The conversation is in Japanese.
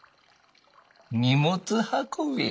荷物運びや。